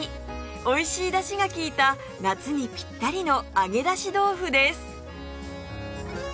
おいしいだしがきいた夏にぴったりの揚げ出し豆腐です